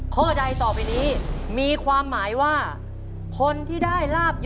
ข้อที่สามครับ